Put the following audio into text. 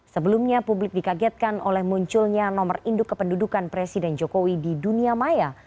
sebelumnya publik dikagetkan oleh munculnya nomor induk kependudukan presiden jokowi di dunia maya